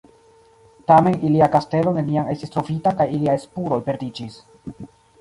Tamen ilia kastelo neniam estis trovita kaj iliaj spuroj perdiĝis.